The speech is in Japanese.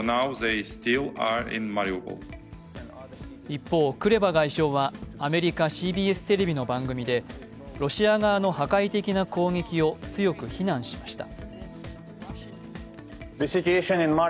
一方、クレバ外相はアメリカＣＢＳテレビの番組でロシア側の破壊的な攻撃を強く非難しました。